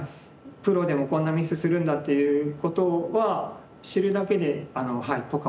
プロでもこんなミスするんだっていうことは知るだけでポカ